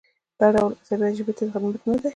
دا ډول عصبیت ژبې ته خدمت نه دی.